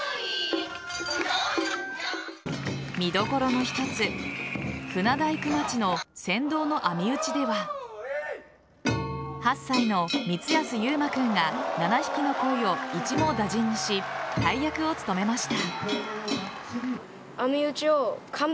見どころの一つ、船大工町の船頭の網打ちでは８歳の光安悠真君が７匹のコイを一網打尽にし大役を務めました。